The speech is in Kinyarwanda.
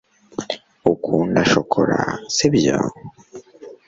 ukunda shokora, sibyo